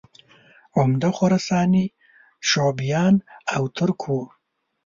عمده خراساني شعوبیان او ترک وو